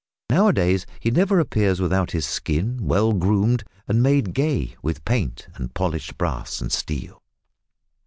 Now a days he never appears without his skin well groomed and made gay with paint and polished brass and steel.